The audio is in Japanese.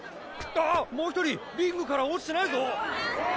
あっもう一人リングから落ちてないぞ！